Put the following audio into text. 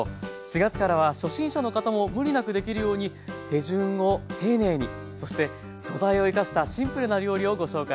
４月からは初心者の方も無理なくできるように手順を丁寧にそして素材を生かしたシンプルな料理をご紹介していきます。